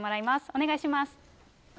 お願いします。